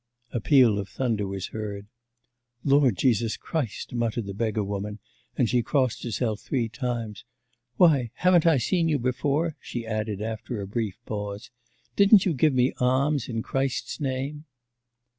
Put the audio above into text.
A peal of thunder was heard. 'Lord Jesus Christ,' muttered the beggar woman, and she crossed herself three times. 'Why, haven't I seen you before,' she added after a brief pause. 'Didn't you give me alms in Christ's name?